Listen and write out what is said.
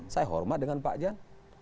saya hormat dengan pak jan